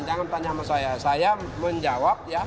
jangan tanya sama saya saya menjawab ya